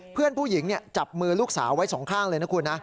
เพื่อนผู้หญิงจับมือลูกสาวไว้สองข้างเลยนะคุณนะ